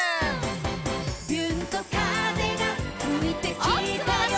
「びゅーんと風がふいてきたよ」